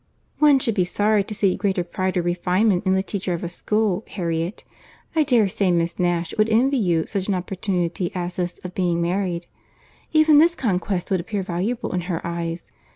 "One should be sorry to see greater pride or refinement in the teacher of a school, Harriet. I dare say Miss Nash would envy you such an opportunity as this of being married. Even this conquest would appear valuable in her eyes.